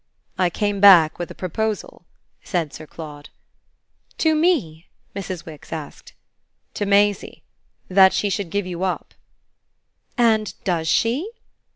"I came back with a proposal," said Sir Claude. "To me?" Mrs. Wix asked. "To Maisie. That she should give you up." "And does she?"